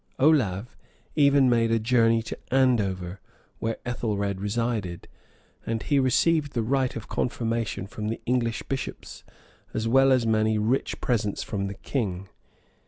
Olave even made a journey to Andover, where Ethelred resided; and he received the rite of confirmation from the English bishops, as well as many rich presents from the king.